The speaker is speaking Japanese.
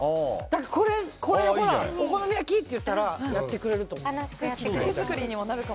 だから、お好み焼きって言ったらやってくれると思う。